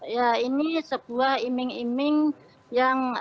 ya ini sebuah iming iming yang